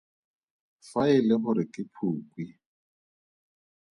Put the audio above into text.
Fa e le gore ke Phukwi.